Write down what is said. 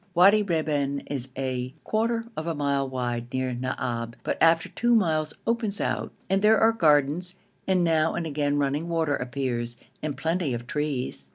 Wadi Reban is a quarter of a mile wide near Naab, but after two miles opens out; and there are gardens, and now and again running water appears, and plenty of trees.